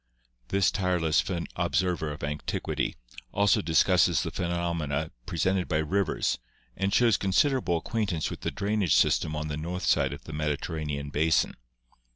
This tireless observer of antiquity also discusses the phenomena presented by rivers and shows considerable acquaintance with the drainage system on the north side of the Mediterranean basin.